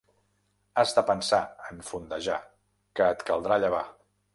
Has de pensar, en fondejar, que et caldrà llevar.